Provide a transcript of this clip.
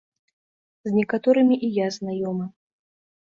З некаторымі і я знаёмы.